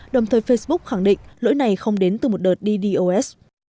đồng thời facebook khẳng định lỗi này không đến từ một đợt dos